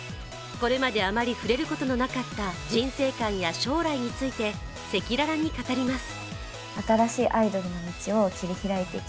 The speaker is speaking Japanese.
これまであまり振れることのなかった人生観や将来について赤裸々に語ります。